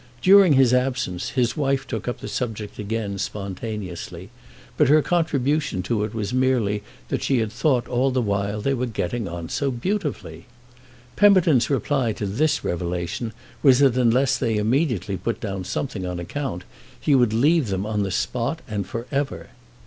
During his absence his wife took up the subject again spontaneously, but her contribution to it was merely that she had thought all the while they were getting on so beautifully. Pemberton's reply to this revelation was that unless they immediately put down something on account he would leave them on the spot and for ever.